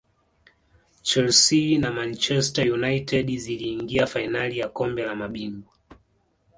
chelsea na manchester united ziliingia fainali ya kombe la mabingwa